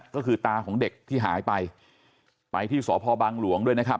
ก็คือตาของเด็กที่หายไปไปที่สพบังหลวงด้วยนะครับ